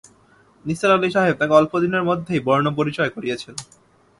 নিসার আলি সাহেব তাকে অল্পদিনের মধ্যেই বর্ণ পরিচয় করিয়েছেন।